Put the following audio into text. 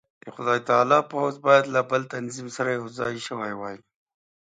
د خدای تعالی پوځ باید له بل تنظیم سره یو ځای شوی وای.